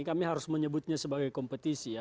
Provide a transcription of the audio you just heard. kami harus menyebutnya sebagai kompetisi ya